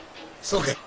そうかい。